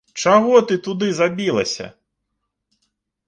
Чаго ты туды забілася!